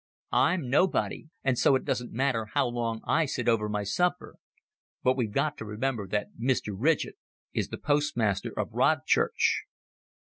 "I'm nobody; and so it doesn't matter how long I sit over my supper. But we've to remember that Mr. Ridgett is the postmaster of Rodchurch."